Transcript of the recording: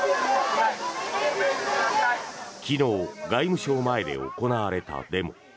昨日外務省前で行われたデモ。